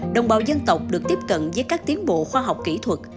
đồng bào dân tộc được tiếp cận với các tiến bộ khoa học kỹ thuật